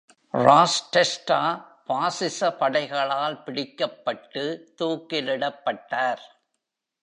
ராஸ் Desta பாசிச படைகளால் பிடிக்கப்பட்டு தூக்கிலிடப்பட்டார்.